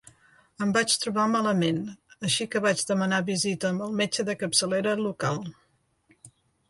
Em vaig trobar malament, així que vaig demanar visita amb el metge de capçalera local